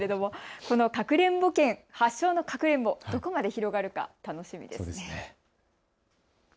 このかくれんぼ県発祥のかくれんぼ、どこまで広がるか楽しみですね。